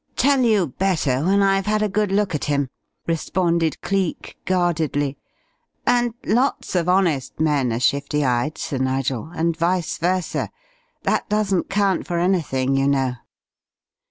"Tell you better when I've had a good look at him," responded Cleek, guardedly. "And lots of honest men are shifty eyed, Sir Nigel, and vice versa. That doesn't count for anything, you know.